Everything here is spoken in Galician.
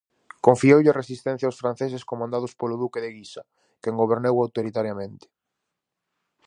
Confioulle a resistencia aos franceses comandados polo duque de Guisa, quen gobernou autoritariamente.